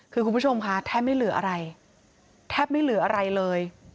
คือคุณผู้ชมค่ะแทบไม่เหลืออะไรแทบไม่เหลืออะไรเลย